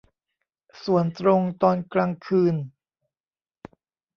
ส่วนตรงตอนกลางคืน